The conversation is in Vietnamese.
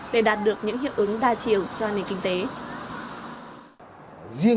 để đạt được những hiệu ứng đa chiều cho nền kinh tế